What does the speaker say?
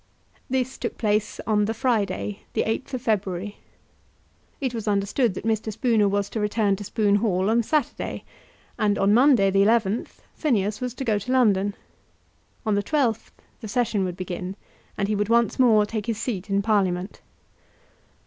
This took place on the Friday, the 8th of February. It was understood that Mr. Spooner was to return to Spoon Hall on Saturday, and on Monday, the 11th, Phineas was to go to London. On the 12th the Session would begin, and he would once more take his seat in Parliament.